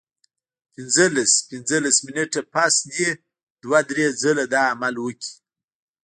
پنځلس پنځلس منټه پس دې دوه درې ځله دا عمل وکړي